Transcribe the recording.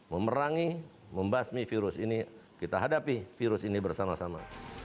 memerangi membasmi virus ini kita hadapi virus ini bersama sama